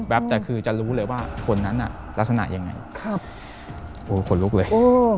แต่คือจะรู้เลยว่าคนนั้นน่ะลักษณะยังไงครับโอ้ขนลุกเลย